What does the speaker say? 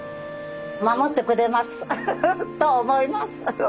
守ってくれますと思います。